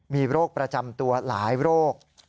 มีโรคประจำตัวหลายโรค